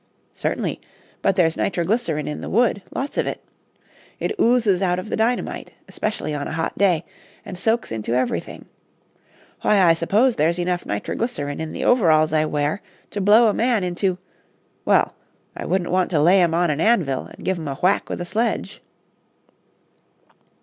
"Certainly; but there's nitroglycerin in the wood, lots of it. It oozes out of the dynamite, especially on a hot day, and soaks into everything. Why, I suppose there's enough nitroglycerin in the overalls I wear to blow a man into well, I wouldn't want to lay 'em on an anvil and give 'em a whack with a sledge."